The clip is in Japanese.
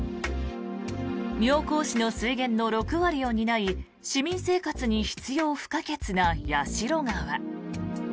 妙高市の水源の６割を担い市民生活に必要不可欠な矢代川。